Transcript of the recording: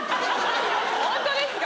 ホントですか？